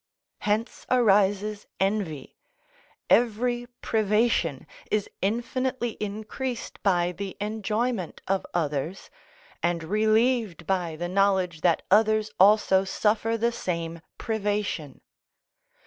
Hence arises envy: every privation is infinitely increased by the enjoyment of others, and relieved by the knowledge that others also suffer the same privation.